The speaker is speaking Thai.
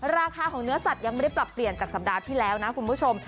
ราคาของเนื้อสัตว์ยังไม่ได้ปรับเปลี่ยนจากสัปดาห์ที่แล้วนะคุณผู้ชม